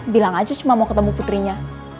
bilang aja cuma mau ketemu putrinya